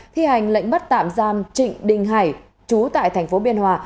thi hành lệnh bắt tạm giam trịnh đình hải chú tại thành phố biên hòa